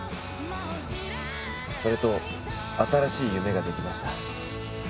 それと新しい夢が出来ました。